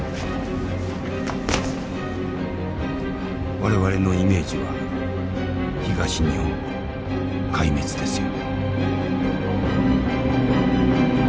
「我々のイメージは東日本壊滅ですよ」。